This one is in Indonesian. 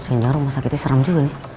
sehingga rumah sakitnya serem juga nih